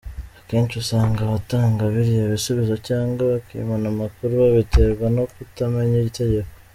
Akenshi usanga abatanga biriya bisubizo cyangwa bakimana amakuru babiterwa no kutamenya itegeko.